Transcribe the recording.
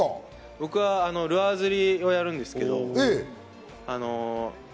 僕はルアー釣りをやるんですけど。